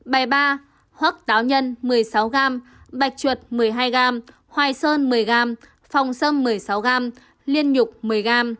bài ba hoác táo nhân một mươi sáu g bạch chuột một mươi hai g hoài sơn một mươi g phòng xâm một mươi sáu g liên nhục một mươi g